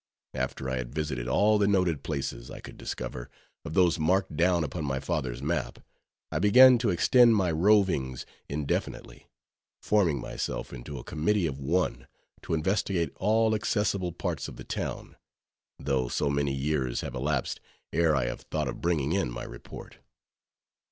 After I had visited all the noted places I could discover, of those marked down upon my father's map, I began to extend my rovings indefinitely; forming myself into a committee of one, to investigate all accessible parts of the town; though so many years have elapsed, ere I have thought of bringing in my report.